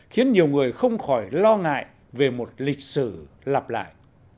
khiến nhiều người không khỏi lo ngại về một lịch sử lặp lại